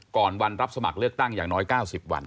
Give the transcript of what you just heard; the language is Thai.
ก่อนวันรับสมัครเลือกตั้งอย่างน้อย๙๐วัน